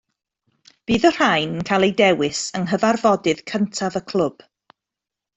Bydd y rhain yn cael eu dewis yng nghyfarfodydd cyntaf y clwb